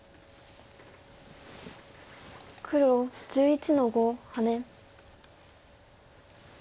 黒１１の五ハネ。